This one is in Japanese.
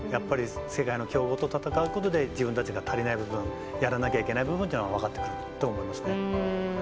世界の強豪と戦うことで自分たちの足りない部分やらなきゃいけない部分が分かってくると思います。